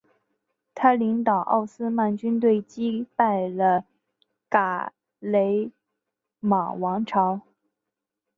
他领导奥斯曼军队击败了尕勒莽王朝。